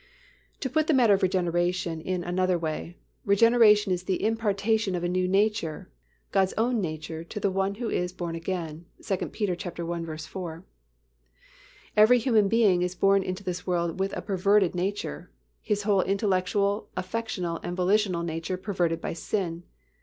To put the matter of regeneration in another way; regeneration is the impartation of a new nature, God's own nature to the one who is born again (2 Pet. i. 4). Every human being is born into this world with a perverted nature; his whole intellectual, affectional and volitional nature perverted by sin.